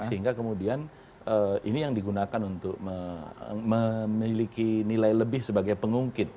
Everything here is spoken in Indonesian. sehingga kemudian ini yang digunakan untuk memiliki nilai lebih sebagai pengungkit